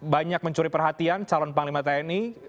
banyak mencuri perhatian calon panglima tni